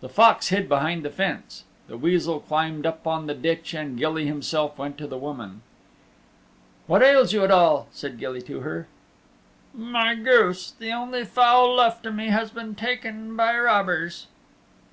The Fox hid behind the fence, the Weasel climbed up on the ditch and Gilly himself went to the woman. "What ails you at all?" said Gilly to her. "My goose the only fowl left to me has been taken by robbers."